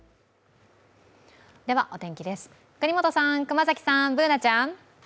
では、お天気です、國本さん、熊崎さん、Ｂｏｏｎａちゃん。